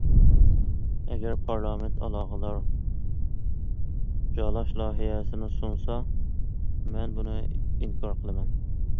ئەگەر پارلامېنت ئالاقىدار جالاش لايىھەسىنى سۇنسا، مەن بۇنى ئىنكار قىلىمەن.